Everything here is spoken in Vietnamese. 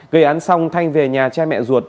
gây án xong thanh về nhà cha mẹ ruột